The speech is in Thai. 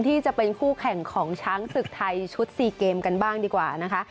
ที่จะเป็นคู่แข่งของช้างศึกไทยชุด๔เกมกันบ้างดีกว่านะคะ